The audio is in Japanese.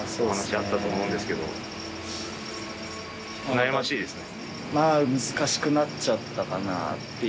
悩ましいですね。